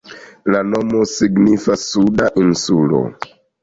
La nomo signifas "Suda insulo".